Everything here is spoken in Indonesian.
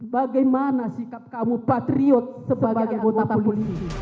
bagaimana sikap kamu patriot sebagai anggota pulih ini